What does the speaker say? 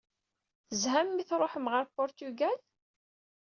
Tezham mi tṛuḥem ɣer Puṛtugal?